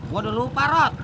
gue udah lupa rod